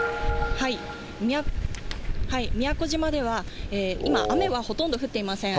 宮古島では、今、雨はほとんど降っていません。